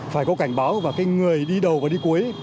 phải có cảnh báo và cái người đi đầu và đi cuối